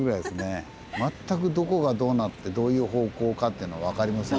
全くどこがどうなってどういう方向かって分かりません。